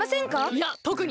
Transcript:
いやとくに。